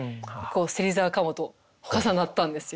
芹沢鴨と重なったんですよ。